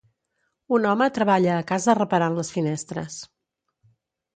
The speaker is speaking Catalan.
Un home treballa a casa reparant les finestres.